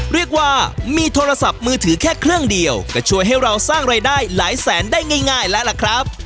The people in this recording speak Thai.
เรียกว่ามีโทรศัพท์มือถือแค่เครื่องเดียวก็ช่วยให้เราสร้างรายได้หลายแสนได้ง่ายแล้วล่ะครับ